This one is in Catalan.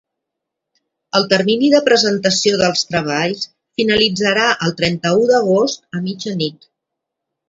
El termini de presentació dels treballs finalitzarà el trenta-u d’agost a mitjanit.